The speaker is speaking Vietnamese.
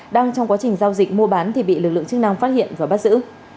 đang trong quá trình giao dịch mua bán thì bị lực lượng chức năng phát hiện và bắt giữ